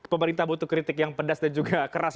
pemerintah butuh kritik yang pedas dan juga keras